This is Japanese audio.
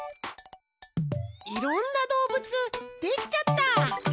いろんなどうぶつできちゃった！